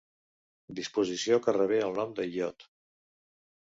Disposició que rebé el nom del iot.